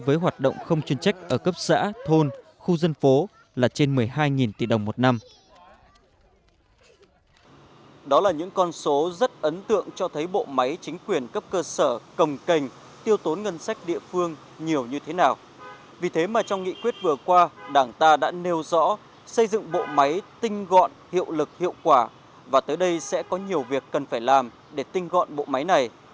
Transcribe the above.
vì thế mà trong nghị quyết vừa qua đảng ta đã nêu rõ xây dựng bộ máy tinh gọn hiệu lực hiệu quả và tới đây sẽ có nhiều việc cần phải làm để tinh gọn bộ máy này